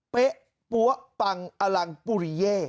เป๊ะปั๊วปังอลังปุริเย่